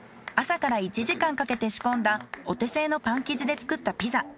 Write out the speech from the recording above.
朝から１時間かけて仕込んだお手製のパン生地で作ったピザ。